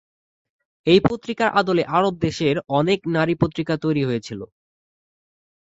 এই পত্রিকার আদলে আরব দেশের অনেক নারী পত্রিকা তৈরি হয়েছিল।